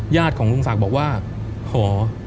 ยาดของลุงศักดิ์บอกว่าโห